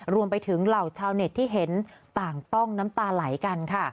รวมไปถึงเหล่าชาวเน็ตที่เห็นต่างต้องน้ำตาไหลกันค่ะ